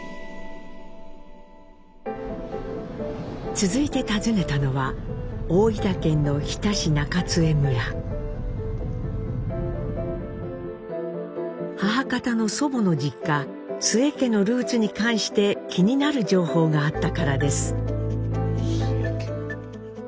続いて訪ねたのは母方の祖母の実家津江家のルーツに関して気になる情報があったからです。